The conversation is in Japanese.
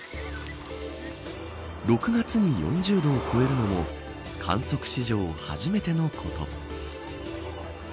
６月に４０度を超えるのも観測史上、初めてのこと。